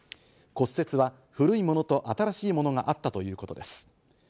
骨折は古いものと新しいものがあったということです。